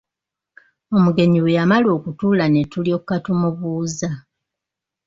Omugenyi bwe yamala okutuula ne tulyoka tumubuuza.